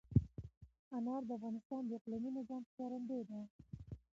انار د افغانستان د اقلیمي نظام ښکارندوی ده.